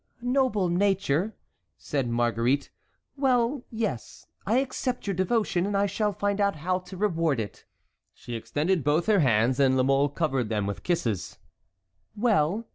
"Noble nature!" said Marguerite; "well, yes, I accept your devotion, and I shall find out how to reward it." She extended both her hands, and La Mole covered them with kisses. "Well!"